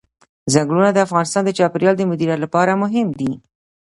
ځنګلونه د افغانستان د چاپیریال د مدیریت لپاره مهم دي.